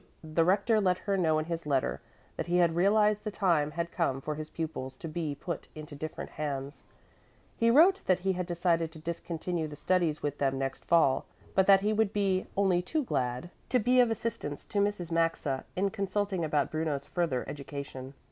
The Rector let her know in his letter that he had realized the time had come for his pupils to be put into different hands. He wrote that he had decided to discontinue the studies with them next fall, but that he would be only too glad to be of assistance to Mrs. Maxa in consulting about Bruno's further education.